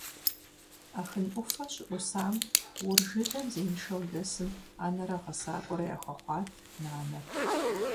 Ахын Ӏуфэ щыӀусам Ур жылэм зеиншэу дэсым анэрэ гъэсакӀуэрэ яхуэхъуат нанэр.